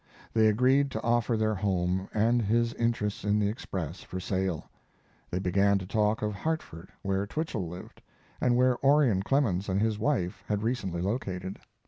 They agreed to offer their home and his interests in the Express for sale. They began to talk of Hartford, where Twichell lived, and where Orion Clemens and his wife had recently located.